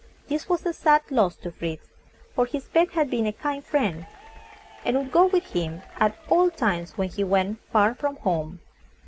This was a sad loss to Fritz, for his pet had been a kind friend, and would go with him at all times when he went far from home.